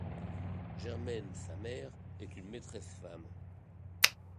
Germaine, sa mère est une maîtresse femme.